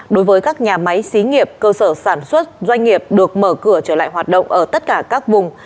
đối với các nhà máy xí nghiệp cơ sở sản xuất doanh nghiệp được mở cửa trở lại hoạt động ở tất cả các vùng